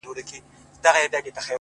• زما پښتون زما ښايسته اولس ته،